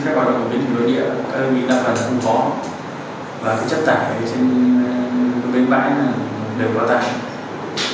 các doanh nghiệp đặc biệt là không có và các chất tải trên bến bãi là đều có tải